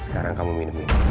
sekarang kamu minum ini